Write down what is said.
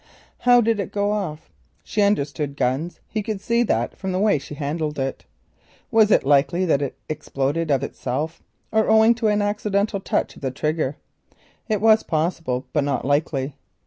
How did it go off? She understood guns; he could see that from the way she handled it. Was it likely that it exploded of itself, or owing to an accidental touch of the trigger? It was possible, but not likely.